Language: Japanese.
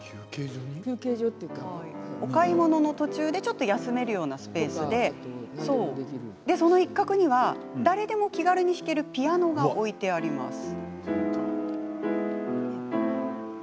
お買い物途中でちょっと休めるスペースでその一角には誰でも気軽に弾けるピアノが置いてあります。